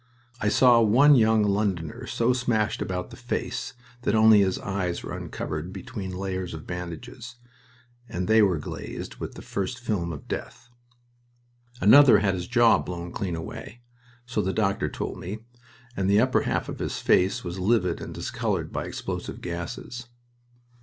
I saw one young Londoner so smashed about the face that only his eyes were uncovered between layers of bandages, and they were glazed with the first film of death. Another had his jaw blown clean away, so the doctor told me, and the upper half of his face was livid and discolored by explosive gases.